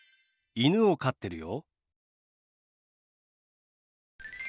犬を飼ってるよ。